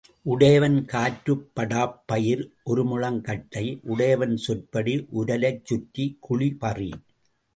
உடையவன் காற்றுப் படாப் பயிர் ஒருமுழம் கட்டை, உடையவன் சொற்படி உரலைச் சுற்றிக் குழி பறி.